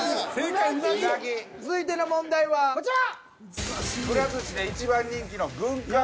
続いての問題はこちら。